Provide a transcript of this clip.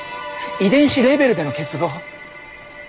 遺伝子レベルでの結合。